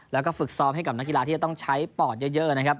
แล้วก็ฝึกซ้อมให้กับนักกีฬาที่จะต้องใช้ปอดเยอะนะครับ